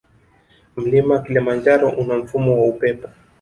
Mlima kilimanjaro una mfumo wa upepo